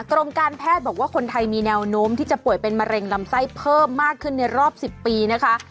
กรมการแพทย์บอกว่าคนไทยมีแนวโน้มที่จะป่วยเป็นมะเร็งลำไส้เพิ่มมากขึ้นในรอบ๑๐ปีนะคะ